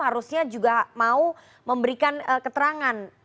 harusnya juga mau memberikan keterangan